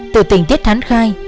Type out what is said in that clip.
từ tình tiết thán khai